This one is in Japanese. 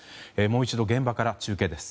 もう一度現場から中継です。